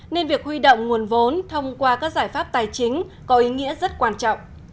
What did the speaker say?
nên việc huy động nguồn vốn thông qua các giải pháp tài chính có ý nghĩa rất quan trọng